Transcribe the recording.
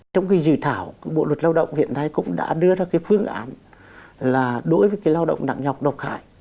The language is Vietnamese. trong cái dự thảo bộ luật lao động hiện nay cũng đã đưa ra cái phương án là đối với cái lao động nặng nhọc độc hại